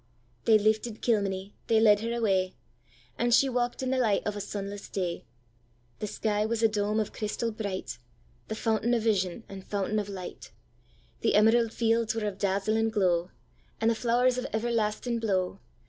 '—They lifted Kilmeny, they led her away, And she walk'd in the light of a sunless day; The sky was a dome of crystal bright, The fountain of vision, and fountain of light:The emerald fields were of dazzling glow, And the flowers of everlasting blow.